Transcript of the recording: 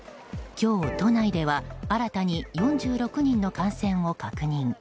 今日、都内では新たに４６人の感染を確認。